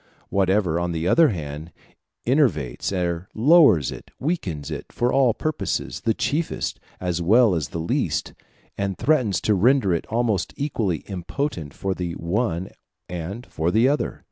Whatever, on the other hand, enervates or lowers it, weakens it for all purposes, the chiefest, as well as the least, and threatens to render it almost equally impotent for the one and for the other.